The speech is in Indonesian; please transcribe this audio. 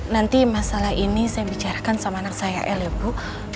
nanti masalah ini saya bicarakan sama anak saya l ya bu